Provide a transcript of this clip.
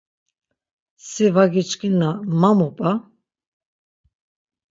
Si var giçkinna ma mu p̌a!